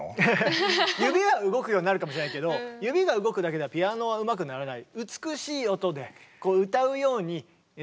指は動くようになるかもしれないけど指が動くだけではピアノはうまくならない。